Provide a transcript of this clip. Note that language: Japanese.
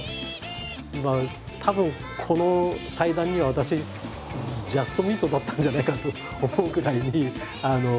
たぶんこの対談には私ジャストミートだったんじゃないかと思うぐらいに。